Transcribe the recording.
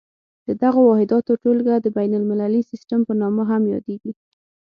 د دغو واحداتو ټولګه د بین المللي سیسټم په نامه هم یادیږي.